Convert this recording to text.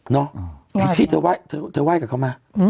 เนาะไอ้ชิทธ์เธอไหว้กับเขามา